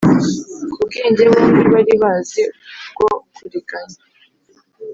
ku bwenge bombi bari bazi bwo kuriganya.